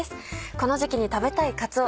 この時期に食べたいかつお